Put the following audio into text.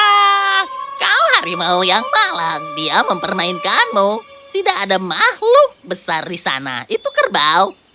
ah kau harimau yang malang dia mempermainkanmu tidak ada makhluk besar di sana itu kerbau